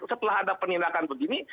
setelah ada penindakan begini